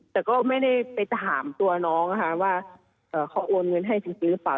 แต่ก็ไม่ได้ไปถามตัวน้องนะคะว่าเขาโอนเงินให้จริงหรือเปล่า